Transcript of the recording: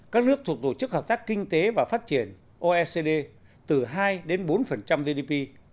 các nước thuộc tổ chức hợp tác kinh tế và phát triển oecd từ hai đến bốn gdp